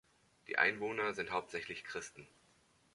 Die Einwohner sind hauptsächlich Christen.